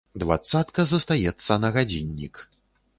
Дваццатка застаецца на гадзіннік.